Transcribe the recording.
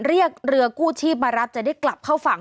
เรียกเรือกู้ชีพมารับจะได้กลับเข้าฝั่ง